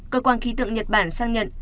cơ quan khí tượng nhật bản xác nhận